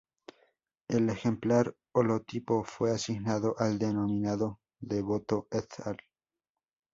El ejemplar holotipo fue asignado al denominado “Devoto et al.